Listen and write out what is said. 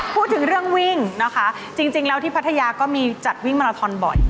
พูดถึงเรื่องวิ่งนะคะจริงแล้วที่พัทยาก็มีจัดวิ่งมาราทอนบ่อย